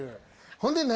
ほんで何？